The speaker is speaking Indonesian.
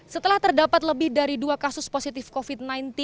setelah terdapat lebih dari dua kasus positif covid sembilan belas